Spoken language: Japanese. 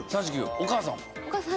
お母さんは？